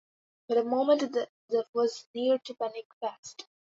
But a moment that was near to panic passed.